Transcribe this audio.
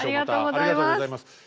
ありがとうございます。